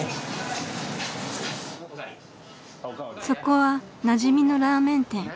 ［そこはなじみのラーメン店］